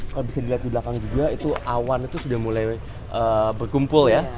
kalau bisa dilihat di belakang juga itu awan itu sudah mulai berkumpul ya